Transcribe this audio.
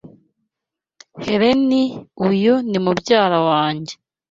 Helen, uyu ni mubyara wanjye.